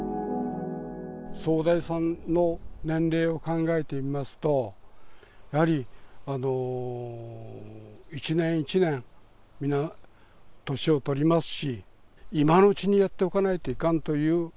総代さんの年齢を考えてみますと、やはり一年一年、皆年を取りますし、今のうちにやっておかないといかんっていう。